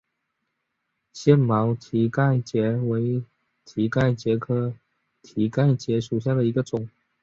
腺毛蹄盖蕨为蹄盖蕨科蹄盖蕨属下的一个种。